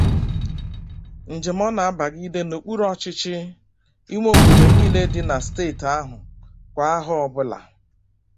njem ọ na-abagide n'okpuruọchịchị ime obodo niile dị na steeti ahụ kwà ahọ ọbụla